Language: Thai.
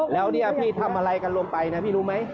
แล้วเนี่ยพี่ทำอะไรกันลงไปนะพี่รู้ไหม